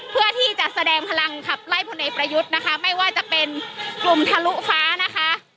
เพื่อที่จะแสดงพลังขับไล่พลเอกประยุทธ์นะคะไม่ว่าจะเป็นกลุ่มทะลุฟ้านะคะ